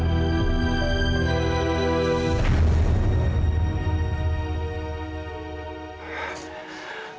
kami akan mencari alamatnya